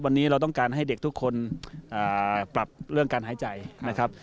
วันนี้เราต้องการให้เด็กทุกคนปรับเรื่องการหายใจนะครับ